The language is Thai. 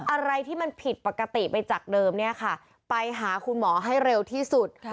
อะไรที่มันผิดปกติไปจากเดิมเนี่ยค่ะไปหาคุณหมอให้เร็วที่สุด